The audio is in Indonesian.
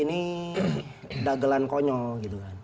ini dagelan konyol